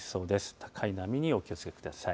高い波にお気をつけください。